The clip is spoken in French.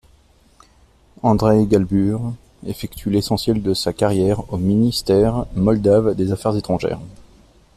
Andrei Galbur effectue l'essentiel de sa carrière au ministère moldave des Affaires étrangères.